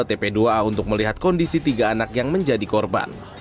tp dua a untuk melihat kondisi tiga anak yang menjadi korban